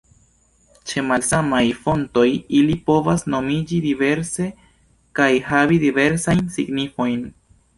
Ĉe malsamaj fontoj ili povas nomiĝi diverse kaj havi diversajn signifojn.